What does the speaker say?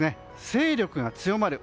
勢力が強まる。